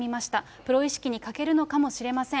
プロ意識に欠けるのかもしれません。